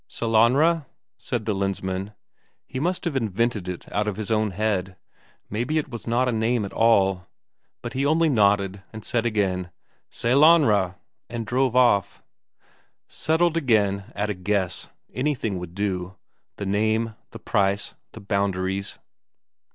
"Sellanraa?" said the Lensmand. He must have invented it out of his own head; maybe it was not a name at all. But he only nodded, and said again, "Sellanraa!" and drove off. Settled again, at a guess, anything would do. The name, the price, the boundaries....